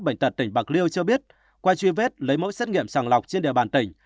bệnh tật tỉnh bạc liêu cho biết qua truy vết lấy mẫu xét nghiệm sàng lọc trên địa bàn tỉnh